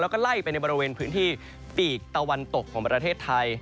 แล้วก็ไล่ไปในบริเวณพื้นที่ปีกตะวันตกของประเทศไทย